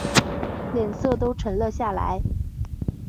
脸色都沉了下来